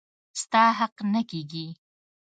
ستا حق نه کيږي.